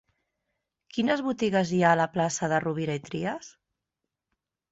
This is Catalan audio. Quines botigues hi ha a la plaça de Rovira i Trias?